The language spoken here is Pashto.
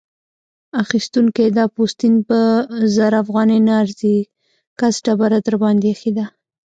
اخيستونکی: دا پوستین په زر افغانۍ نه ارزي؛ کس ډبره درباندې اېښې ده.